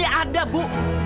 ini ada bu